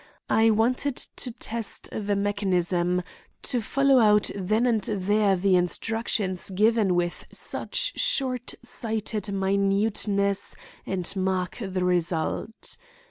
I wanted to test the mechanism; to follow out then and there the instructions given with such shortsighted minuteness and mark the result.